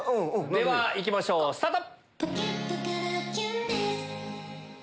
ではいきましょうスタート！